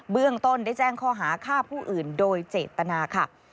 เรื่องต้นได้แจ้งข้อหาฆ่าผู้อื่นโดยเจตนาค่ะ